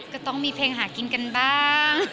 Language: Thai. ก็ต้องมีเพลงหากินกันบ้าง